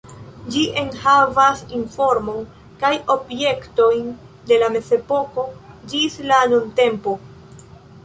Ĝi enhavas informon kaj objektojn el la Mezepoko ĝis la nuntempo.